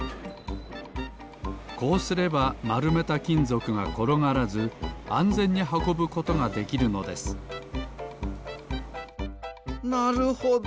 こうすればまるめたきんぞくがころがらずあんぜんにはこぶことができるのですなるほど。